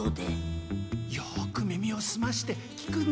よく耳をすまして聞くんだ。